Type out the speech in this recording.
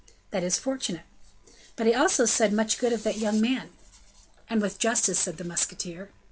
"That is fortunate!" "But he also said much good of that young man." "And with justice," said the musketeer.